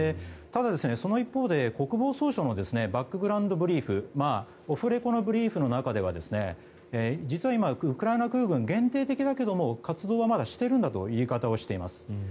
ただ、その一方で国防総省のバックグラウンドブリーフオフレコのブリーフの中では実は今、ウクライナ空軍限定的だけれども活動はまだしているんだという言い方をしています。